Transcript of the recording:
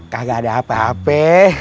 kagak ada apa apa